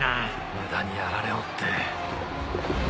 ムダにやられおって。